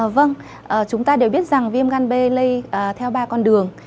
vâng chúng ta đều biết rằng viêm gan b lây theo ba con đường